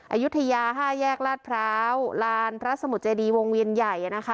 อายุทยา๕แยกลาดพร้าวลานพระสมุทรเจดีวงเวียนใหญ่นะคะ